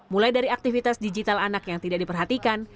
mulai dari aktivitas digital anak yang tidak diperhatikan